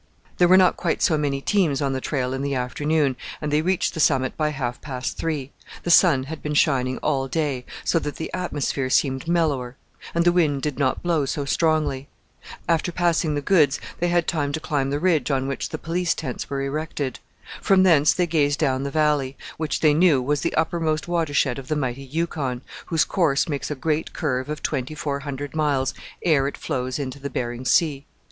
There were not quite so many teams on the trail in the afternoon, and they reached the summit by half past three. The sun had been shining all day, so that the atmosphere seemed mellower; and the wind did not blow so strongly. After passing the goods they had time to climb the ridge on which the police tents were erected. From thence they gazed down the valley, which they knew was the uppermost watershed of the mighty Yukon, whose course makes a great curve of twenty four hundred miles ere it flows into the Behring Sea.